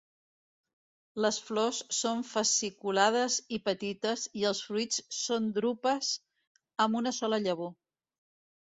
Les flors són fasciculades i petites i els fruits són drupes amb una sola llavor.